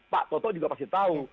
pak toto juga pasti tahu